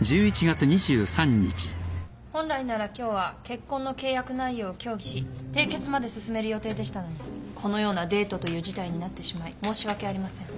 本来なら今日は結婚の契約内容を協議し締結まで進める予定でしたのにこのようなデートという事態になってしまい申し訳ありません。